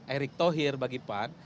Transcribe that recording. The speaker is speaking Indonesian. erick thohir bagi pan